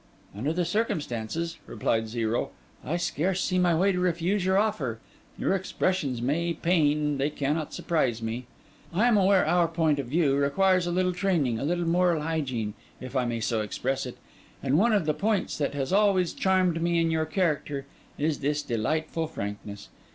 'Under the circumstances,' replied Zero, 'I scarce see my way to refuse your offer. Your expressions may pain, they cannot surprise me; I am aware our point of view requires a little training, a little moral hygiene, if I may so express it; and one of the points that has always charmed me in your character is this delightful frankness.